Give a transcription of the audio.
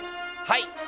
はい！